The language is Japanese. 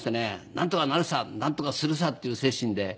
なんとかなるさなんとかするさっていう精神で。